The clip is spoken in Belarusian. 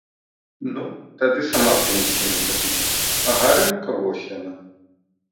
Ну, тады сама прынясі нам закусіць, а гарэлка вось яна.